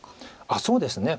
あっそうですね。